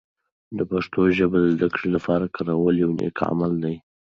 د پښتو ژبه د زده کړې لپاره کارول یوه نیک عمل دی.